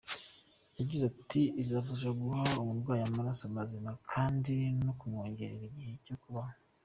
Yagize ati “ Izafasha guha umurwayi amaraso mazima, kandi ni ukumwongerera igihe cyo kubaho.